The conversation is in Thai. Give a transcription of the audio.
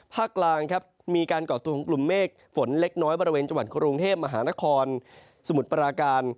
กลางครับมีการก่อตัวของกลุ่มเมฆฝนเล็กน้อยบริเวณจังหวัดกรุงเทพมหานครสมุทรปราการ